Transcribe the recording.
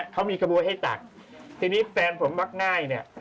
เขามีขบวนให้ตักทีนี้แฟนผมมักง่ายเนี่ย